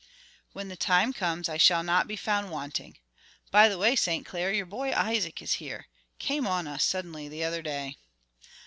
"When the time comes I shall not be found wanting. By the way, St. Clair, your boy Isaac is here. Came on us suddenly the other day."